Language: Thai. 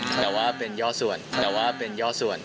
แต่ว่าเป็นย่อส่วนแต่ว่าเป็นย่อส่วน